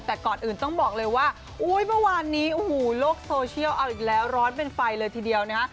แต่ก่อนอื่นต้องบอกเลยว่าอุ้ยเมื่อวานนี้โอ้โหโลกโซเชียลเอาอีกแล้วร้อนเป็นไฟเลยทีเดียวนะฮะ